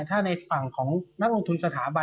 ถ้าในฝั่งของนักลงทุนสถาบัน